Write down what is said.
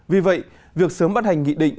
vì vậy việc sớm bắt hành nghị định